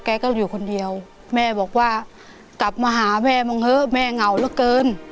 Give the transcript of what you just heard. แกก็อยู่คนเดียวแม่บอกว่ากลับมาหาแม่มึงเถอะแม่เหงาเหลือเกิน